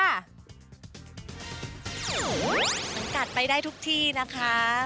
สังกัดไปได้ทุกที่นะคะ